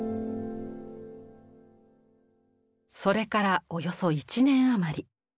それからおよそ１年余り。